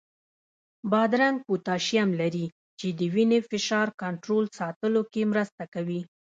بادرنګ پوتاشیم لري، چې د وینې فشار کنټرول ساتلو کې مرسته کوي.